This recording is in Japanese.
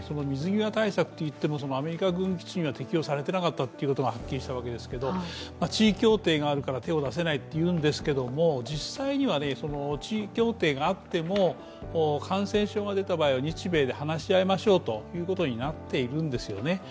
水際対策といってもアメリカ軍基地が適用されていなかったことがはっきりしたわけですけど地位協定があるから手が出せないというわけですが、実際には地位協定があっても感染症が出た場合には日米で話し合いましょうということになっているんですよね。